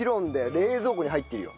冷蔵庫に入っているよ。